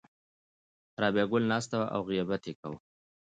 رابعه ګل ناسته وه او غیبت یې کاوه.